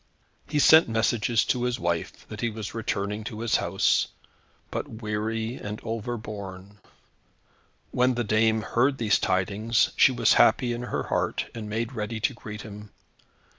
He sent messages to his wife, that he was returning to his house, but weary and overborne. When the dame heard these tidings, she was happy in her heart, and made ready to greet him.